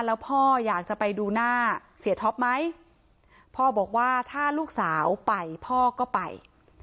แล้วพ่ออยากจะไปดูหน้าเสียท็อปไหมพ่อบอกว่าถ้าลูกสาวไปพ่อก็ไป